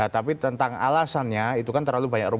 tapi tentang alasannya itu kan terlalu banyak